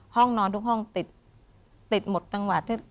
ห้องนอนทุกห้องติดติดหมดจังหวะที่